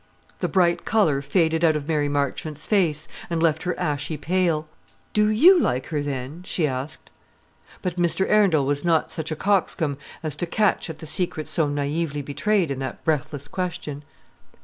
The bright colour faded out of Mary Marchmont's face, and left her ashy pale. "Do you like her, then?" she asked. But Mr. Arundel was not such a coxcomb as to catch at the secret so naïvely betrayed in that breathless question.